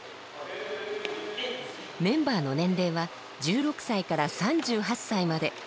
メンバーの年齢は１６歳から３８歳まで。